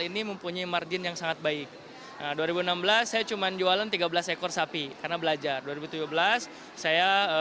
ini mempunyai margin yang sangat baik dua ribu enam belas saya cuman jualan tiga belas ekor sapi karena belajar dua ribu tujuh belas saya